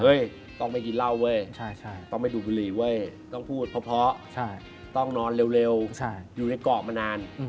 ต้องไม่กินเหล้าเว้ยต้องไปดูบุหรี่เว้ยต้องพูดเพราะต้องนอนเร็วอยู่ในเกาะมานาน